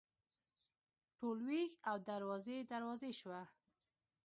ټول ویښ او دروازې، دروازې شوه